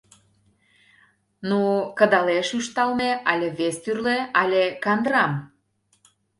— Ну, кыдалеш ӱшталме, але вес тӱрлӧ... але кандырам